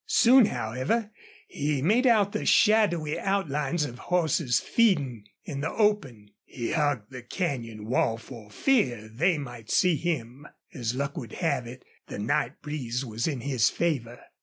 Soon, however, he made out the shadowy outlines of horses feeding in the open. He hugged the canyon wall for fear they might see him. As luck would have it the night breeze was in his favor.